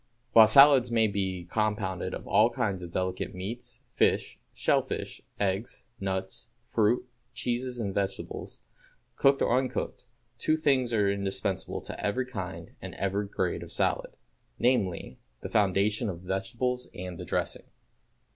While salads may be compounded of all kinds of delicate meats, fish, shellfish, eggs, nuts, fruit, cheese and vegetables, cooked or uncooked, two things are indispensable to every kind and grade of salad, viz., the foundation of vegetables and the dressing.